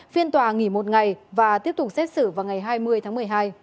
phiên tòa nghỉ một ngày và tiếp tục xét xử vào ngày hai mươi tháng một mươi hai